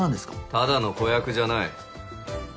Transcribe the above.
ただの子役じゃない。